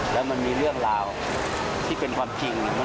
แล้วมันมีเรื่องราวที่เป็นความจริง